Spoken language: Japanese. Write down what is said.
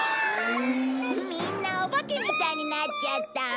みんなお化けみたいになっちゃった。